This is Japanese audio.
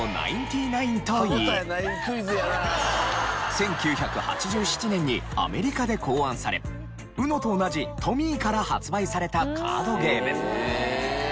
１９８７年にアメリカで考案されＵＮＯと同じトミーから発売されたカードゲーム。